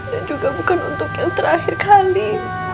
dan juga bukan untuk yang terakhir kali